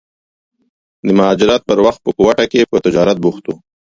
د مهاجرت پر وخت په کوټه کې په تجارت بوخت و.